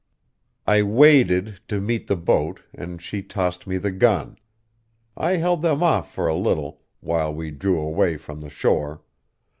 "I waded to meet the boat, and she tossed me the gun. I held them off for a little, while we drew away from the shore.